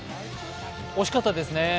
惜しかったですね。